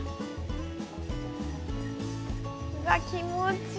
わあ、気持ちいい。